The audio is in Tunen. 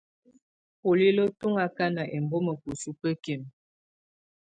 Bolilǝ́ tù ɔŋ akaka ɛmbɔ̀ma bǝsubǝkimǝ.